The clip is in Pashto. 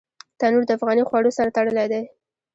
تنور د افغاني خوړو سره تړلی دی